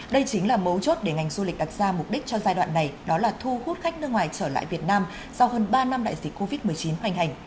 đây chính là mấu chốt để ngành du lịch đặt ra mục đích cho giai đoạn này đó là thu hút khách nước ngoài trở lại việt nam sau hơn ba năm đại dịch covid một mươi chín hoành hành